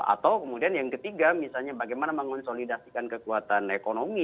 atau kemudian yang ketiga misalnya bagaimana mengonsolidasikan kekuatan ekonomi